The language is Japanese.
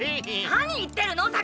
何言ってるの酒爺！